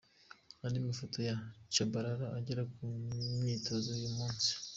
Andi mafoto ya Tchabalala agera mu myitozo y’uyu munsi.